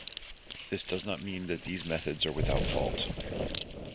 This does not mean that these methods are without fault.